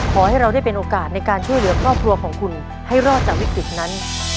ขอให้เราได้เป็นโอกาสในการช่วยเหลือครอบครัวของคุณให้รอดจากวิกฤตนั้น